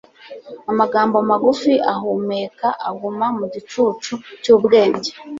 Amagambo magufi ahumeka aguma mu gicucu cy' ubwenge